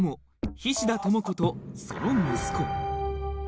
菱田朋子とその息子